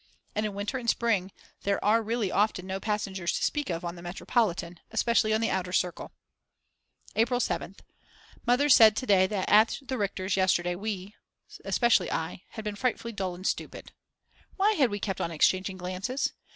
And in winter and spring there are really often no passengers to speak of on the Metropolitan, especially on the Outer Circle. April 7th. Mother said to day that at the Richters yesterday we, especially I, had been frightfully dull and stupid. Why had we kept on exchanging glances?